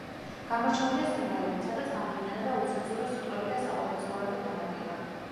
გამორჩეულია სიმღერებით, სადაც გამოიყენება უცენზურო სიტყვები და საყოფაცხოვრებო თემატიკა.